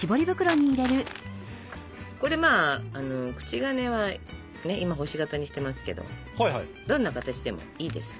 これまあ口金は今星形にしてますけどどんな形でもいいです。